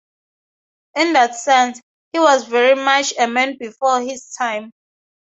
In that sense, he was very much a man before his time.